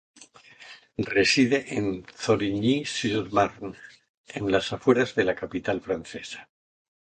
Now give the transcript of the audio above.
Reside en Thorigny-sur-Marne, en las afueras de la capital francesa.